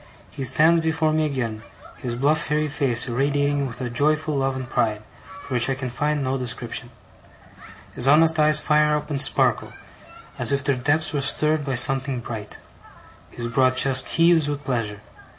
He stands before me again, his bluff hairy face irradiating with a joyful love and pride, for which I can find no description. His honest eyes fire up, and sparkle, as if their depths were stirred by something bright. His broad chest heaves with pleasure.